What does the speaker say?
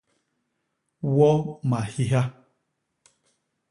Wo mahiha.